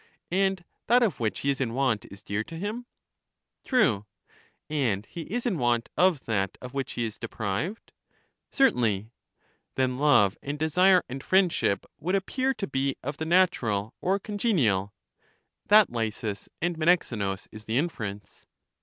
And that of which he is in want is dear to him? True. And he is in want of that of which he is deprived? Certainly. Then love, and desire, and friendship would appear to be of the natural or congenial. That, Lysis and Menexenus, is the inference.